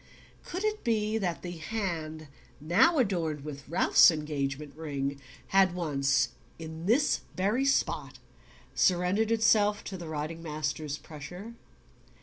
Could it be that the hand now adorned with Ralph's engagement ring had once, in this very spot, surrendered itself to the riding master's pressure?